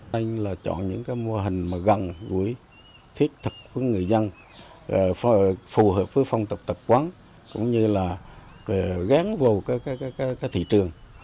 nên là chọn những cái mô hình mà gần gũi thiết thật với người dân phù hợp với phong tập quán cũng như là gán vào cái thị trường